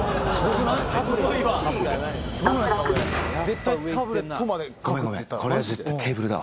絶対タブレットまで書くって言ったの。